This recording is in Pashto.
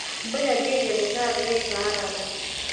بله بېلګه د کار ځای په اړه ده.